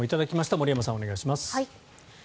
森山さん、お願いします。